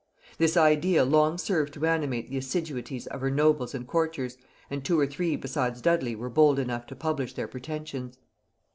This idea long served to animate the assiduities of her nobles and courtiers, and two or three besides Dudley were bold enough to publish their pretensions.